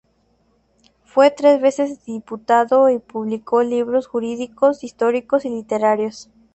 Fue tres veces diputado y publicó libros jurídicos, históricos y literarios.